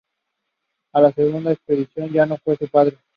A la segunda expedición ya no fue su padre.